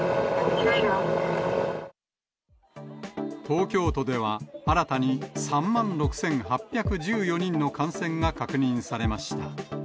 東京都では、新たに３万６８１４人の感染が確認されました。